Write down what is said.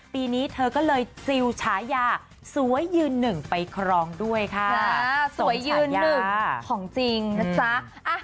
ปีนี้เธอก็เลยจิลฉายาสวยยืนหนึ่งไปครองด้วยค่ะสวยยืนหนึ่งของจริงนะจ๊ะ